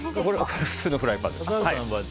普通のフライパンです。